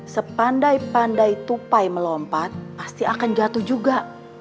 sepandai pandai tupai melompat pasti akan jatuh juga